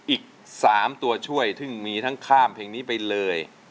อีก๓ตัวช่วยซึ่งมีทั้งข้ามเพลงนี้ไปเลย